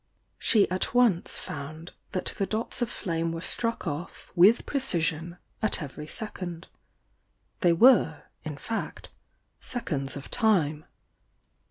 She at once found that the dots of flame were struck off with precision at every second. They were, in fact, seconds of time.